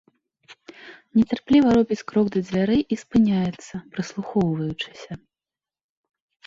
Нецярпліва робіць крок да дзвярэй і спыняецца, прыслухоўваючыся.